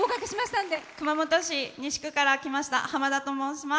熊本市西区から来ましたはまだと申します。